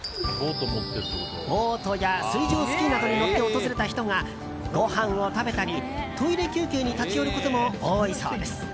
ボートや水上スキーなどに乗って訪れた人がごはんを食べたりトイレ休憩に立ち寄ることも多いそうです。